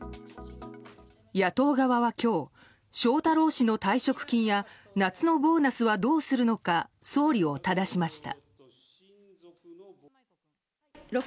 野党側は今日翔太郎氏の退職金や夏のボーナスはどうするのか総理をただしました。